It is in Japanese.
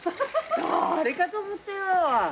誰かと思ったよ。